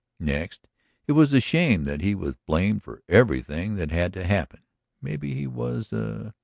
Next, it was a shame that he was blamed for everything that had to happen; maybe he was a